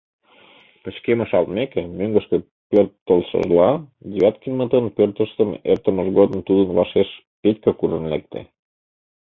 Пычкемышалтмеке, мӧҥгышкӧ пӧртылшыжла, Девяткинмытын пӧртыштым эртымыж годым тудын вашеш Петька куржын лекте.